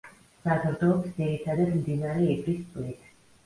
საზრდოობს ძირითადად მდინარე ივრის წყლით.